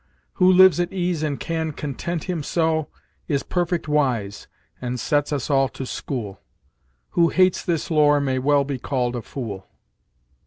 Who lives at ease and can content him so, Is perfect wise, and sets us all to schoole: Who hates this lore may well be called a foole."